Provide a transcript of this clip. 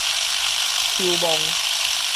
手摸